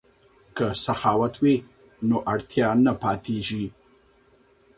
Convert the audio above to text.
که سخاوت وي نو اړتیا نه پاتیږي.